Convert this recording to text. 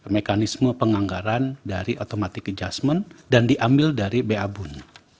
mekanisme penganggaran dari automatic adjustment dan diambil dari babun